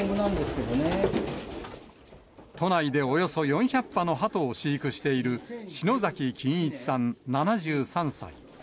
都内でおよそ４００羽のハトを飼育している、篠崎金一さん７３歳。